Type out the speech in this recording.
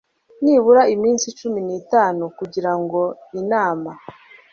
nibura iminsi cumi n itanu kugira ngo inama